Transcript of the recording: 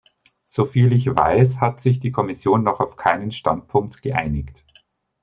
Soviel ich weiß, hat sich die Kommission noch auf keinen Standpunkt geeinigt.